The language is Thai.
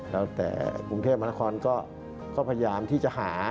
แล้วแต่กรุงเทพมหานครก็พยายามที่จะหา